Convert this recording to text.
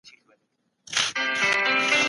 تاوان ورکول د مجرم دنده ده.